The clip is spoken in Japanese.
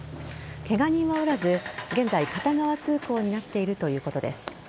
ケガ人はおらず現在、片側通行になっているということです。